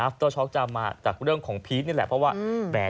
เตอร์ช็อกจะมาจากเรื่องของพีชนี่แหละเพราะว่าแหม